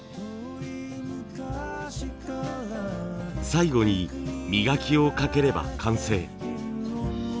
最後に磨きをかければ完成。